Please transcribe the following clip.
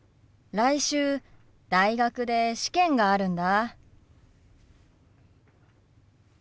来週大学で試験があるんだ。